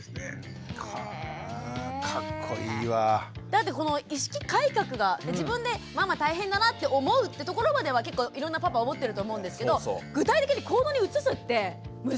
だってこの意識改革が自分でママ大変だなって思うってところまではいろんなパパ思ってると思うんですけど具体的に行動に移すって難しくないですか？